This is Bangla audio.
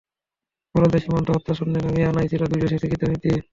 বলা হয়, সীমান্ত হত্যা শূন্যে নামিয়ে আনাই ছিল দুই দেশের স্বীকৃত নীতি।